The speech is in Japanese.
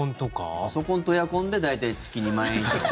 パソコンとエアコンで大体、月２万円。